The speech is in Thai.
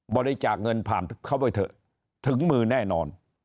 บริจาคเงินผ่านเขาไปเถอะถึงมือแน่นอน